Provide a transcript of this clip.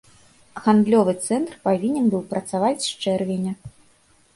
Гандлёвы цэнтр павінен быў працаваць з чэрвеня.